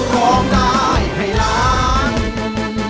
ร้องได้ให้ล้าน